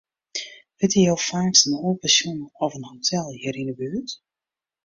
Witte jo faaks in oar pensjon of in hotel hjir yn 'e buert?